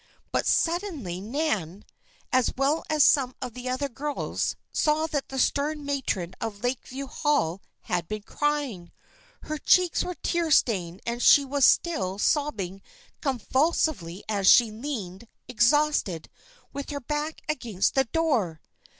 But suddenly Nan, as well as some of the other girls, saw that the stern matron of Lakeview Hall had been crying. Her cheeks were tear stained and she was still sobbing convulsively as she leaned, exhausted, with her back against the door.